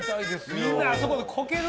みんなあそこでこける？